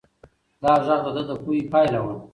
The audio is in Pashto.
دا غږ د ده د پوهې پایله وه.